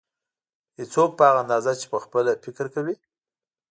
هېڅوک په هغه اندازه چې پخپله فکر کوي.